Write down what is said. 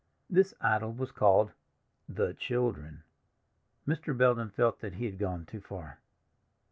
This idol was called The Children. Mr. Belden felt that he had gone too far.